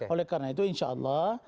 oleh karena itu insya allah